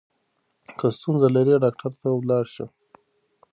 که ستونزه لرې ډاکټر ته ولاړ شه.